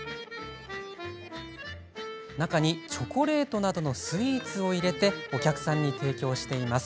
中にチョコレートなどのスイーツを入れてお客さんに提供しています。